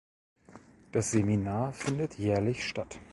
Das Seminar findet jährlich statt.